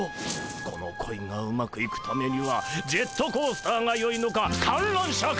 この恋がうまくいくためにはジェットコースターがよいのか観覧車か。